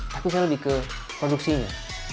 tapi saya lebih ke produksinya